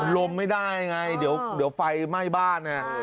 ลมไม่ได้ไงเดี๋ยวไฟไหม้บ้านเนี่ย